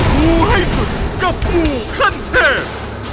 งูให้สุดกับงูขั้นเทพ